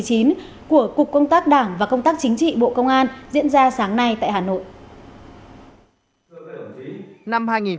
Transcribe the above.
của cục công tác đảng và công tác chính trị bộ công an diễn ra sáng nay tại hà nội